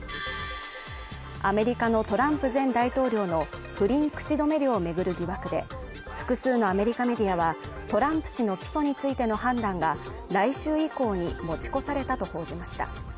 アメリカのトランプ前大統領の不倫口止め料を巡る疑惑で複数のアメリカメディアはトランプ氏の起訴についての判断が来週以降に持ち越されたと報じました。